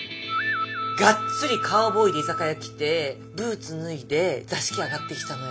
ガッツリカウボーイで居酒屋来てブーツ脱いで座敷上がってきたのよ。